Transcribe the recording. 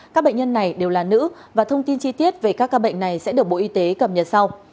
các bệnh nhân này đều là nữ và thông tin chi tiết về các ca bệnh này sẽ được bộ y tế cập nhật sau